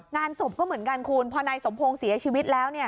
งานศพก็เหมือนกันคุณพอนายสมพงศ์เสียชีวิตแล้ว